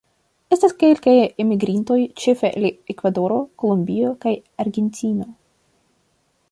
Estas kelkaj enmigrintoj, ĉefe el Ekvadoro, Kolombio kaj Argentino.